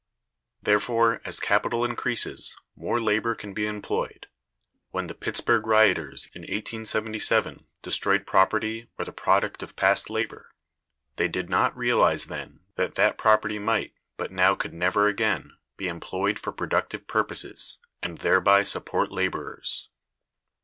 Therefore, as capital increases, more labor can be employed. When the Pittsburg rioters, in 1877, destroyed property, or the product of past labor, they did not realize then that that property might, but now could never again, be employed for productive purposes, and thereby support laborers.